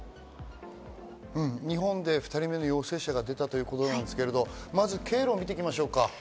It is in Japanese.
日本で２人目の陽性者が出たということなんですけど、まず経路をみていきましょう。